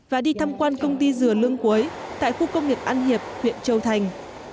và đi thăm quan công ty dừa lương cuối tại khu công nghiệp an hiệp huyện châu thành